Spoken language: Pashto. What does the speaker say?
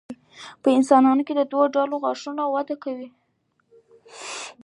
په انسانانو کې دوه ډوله غاښونه وده کوي.